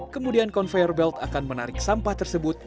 kemudian conveyor belt akan menarik sampah tersebut